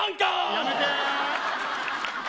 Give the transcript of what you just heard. やめて。